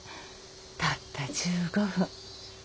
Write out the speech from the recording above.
たった１５分。